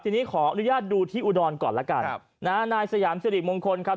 ทีนี้ขออนุญาตดูที่อุดรก่อนแล้วกันครับนะฮะนายสยามสิริมงคลครับ